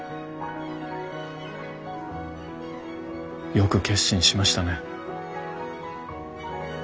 よく決心しましたね。